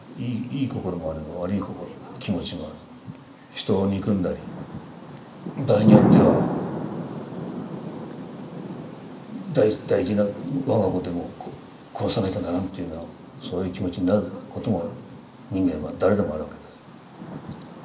人を憎んだり場合によっては大事な我が子でも殺さなきゃならんというようなそういう気持ちになることも人間は誰でもあるわけです。